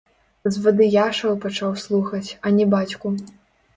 Звадыяшаў пачаў слухаць, а не бацьку.